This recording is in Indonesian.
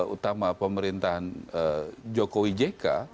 utama pemerintahan jokowi jk